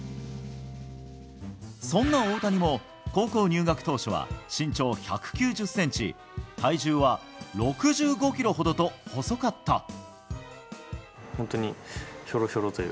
そんな大谷も高校入学当初は身長１９０ｃｍ体重は６５ｋｇほどと細かった。